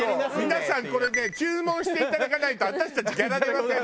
「皆さんこれね注文していただかないと私たちギャラ出ません」